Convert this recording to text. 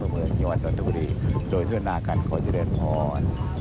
เมื่อเย็นวันตะวดีโดยเชิญหน้ากันขอเจริญโภวน